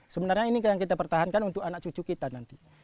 sebenarnya ini yang kita pertahankan untuk anak cucu kita nanti